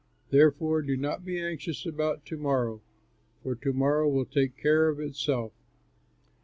Therefore, do not be anxious about to morrow, for to morrow will take care of itself."